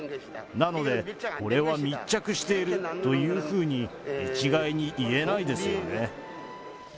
なので、これは密着しているというふうに一概に言えないですよね。